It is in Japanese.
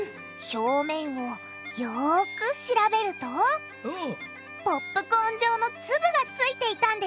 表面をよく調べるとポップコーン状の粒がついていたんですって！